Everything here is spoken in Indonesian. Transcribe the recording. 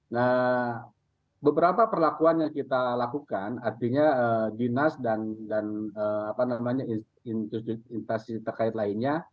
nah beberapa perlakuan yang kita lakukan artinya dinas dan instansi terkait lainnya